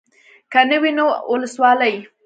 که نه وي نو اولسوالي.